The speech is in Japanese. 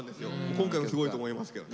今回もすごいと思いますけどね。